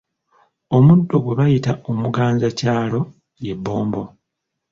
Omuddo gwe bayita omuganzakyalo ly'ebbombo.